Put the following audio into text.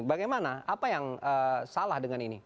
bagaimana apa yang salah dengan ini